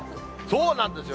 そうなんですよ。